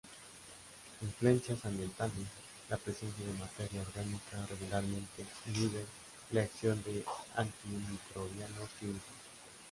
Influencias ambientales: La presencia de materia orgánica regularmente inhibe la acción de antimicrobianos químicos.